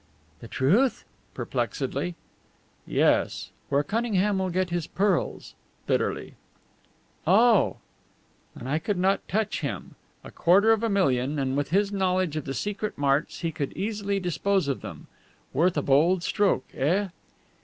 "The truth?" perplexedly. "Yes where Cunningham will get his pearls?" bitterly. "Oh!" "And I could not touch him. A quarter of a million! And with his knowledge of the secret marts he could easily dispose of them. Worth a bold stroke, eh?"